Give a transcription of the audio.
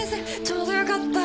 ちょうどよかった。